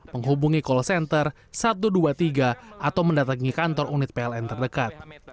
menghubungi call center satu ratus dua puluh tiga atau mendatangi kantor unit pln terdekat